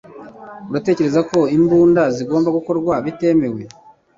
uratekereza ko imbunda zigomba gukorwa bitemewe